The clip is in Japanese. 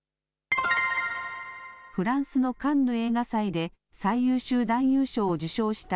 フランスのカンヌ映画祭で、最優秀男優賞を受賞した、